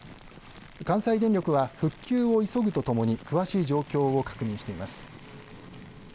関西電力は復旧を急ぐとともに詳しい状況を確認しています。